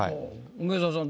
梅沢さん